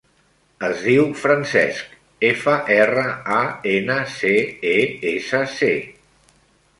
Es diu Francesc: efa, erra, a, ena, ce, e, essa, ce.